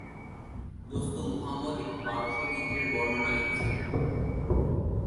দোস্ত মুহাম্মদ একটি পারস্য চিত্রের বর্ণনা লিখেছেন।